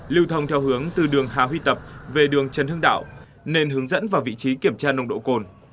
lưu thông theo hướng từ đường hà huy tập về đường trần hưng đạo nên hướng dẫn vào vị trí kiểm tra nồng độ cồn